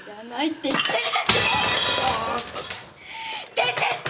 出てって！！